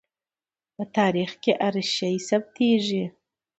په تاریخ کې هر شی ثبتېږي.